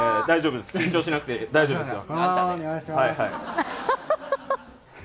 緊張しなくて大丈夫ですよ。